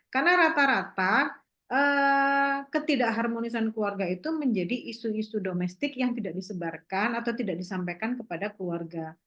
karena rata rata ketidak harmonisan keluarga itu menjadi isu isu domestik yang tidak disebarkan atau tidak disampaikan kepada keluarga